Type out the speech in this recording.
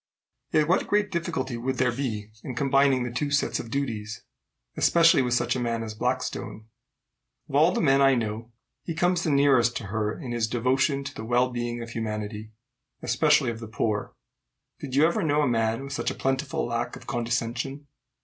"Yet what great difficulty would there be in combining the two sets of duties, especially with such a man as Blackstone? Of all the men I know, he comes the nearest to her in his devotion to the well being of humanity, especially of the poor. Did you ever know a man with such a plentiful lack of condescension?